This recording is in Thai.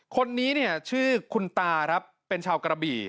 คนนี้เนี่ยชื่อคุณตาครับเป็นชาวกระบี่